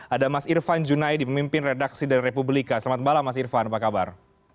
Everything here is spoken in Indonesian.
ada mas irfan junaidi pemimpin redaksi dari republika selamat malam mas irfan apa kabar